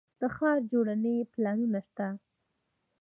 د ښار جوړونې پلانونه شته